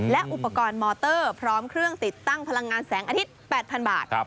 และอุปกรณ์มอเตอร์พร้อมเครื่องติดตั้งพลังงานแสงอาทิตย์๘๐๐๐บาท